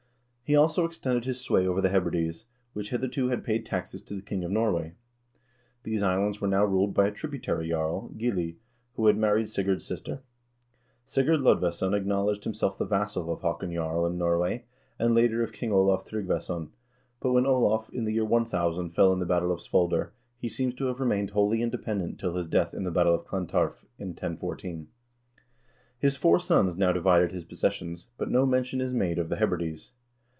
He also extended his sway over the Hebrides, which hitherto had paid taxes to the king of Norway.2 These islands were now ruled by a tributary jarl, Gilli, who had married Sigurd's sister. Sigurd Lodvesson acknowledged himself the vassal of Haakon Jarl in Norway, and, later, of King Olav Tryggvason, but when Olav, in the year 1000, fell in the battle of Svolder, he seems to have remained wholly independent till his death in the battle of Clontarf, in 1014. His four sons now divided his possessions, but no mention is made of the Hebrides.